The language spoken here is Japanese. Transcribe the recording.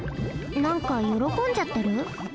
なんかよろこんじゃってる？